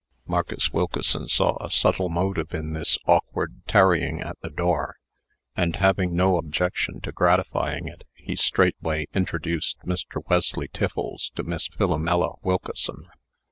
Marcus Wilkeson saw a subtle motive in this awkward tarrying at the door, and, having no objection to gratifying it, he straightway introduced Mr. Wesley Tiffles to Miss Philomela Wilkeson.